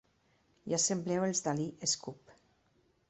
Ja sembleu els Dalí –escup–.